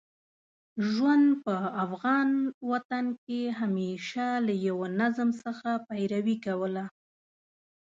ژوند په افغان وطن کې همېشه له یوه نظم څخه پیروي کوله.